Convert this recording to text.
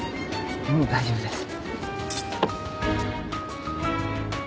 もう大丈夫です。